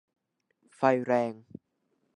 ไฟแรง !